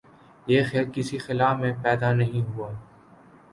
یہ کسی خلا میں پیدا نہیں ہوئے۔